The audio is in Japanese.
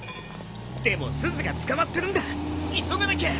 でもすずが捕まってるんだ急がなきゃ。